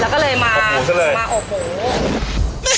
แล้วก็เลยมาอบหมู